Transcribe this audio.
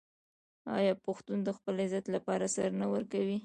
آیا پښتون د خپل عزت لپاره سر نه ورکوي؟